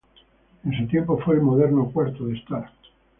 En su tiempo fue el moderno cuarto de estar.